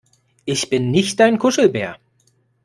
Ich bin nicht dein Kuschelbär!